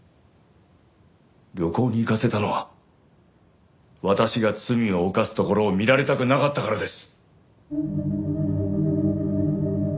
旅行に行かせたのは私が罪を犯すところを見られたくなかったからです。